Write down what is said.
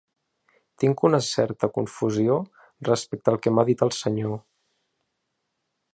Tinc una certa confusió respecte al que m'ha dit el senyor.